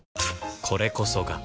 これこそが